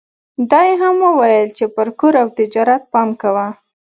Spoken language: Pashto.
دا يې هم وويل چې پر کور او تجارت پام کوه.